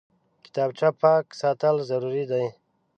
کتابچه پاک ساتل ضروري دي